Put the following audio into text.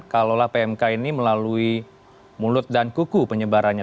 kalaulah pmk ini melalui mulut dan kuku penyebarannya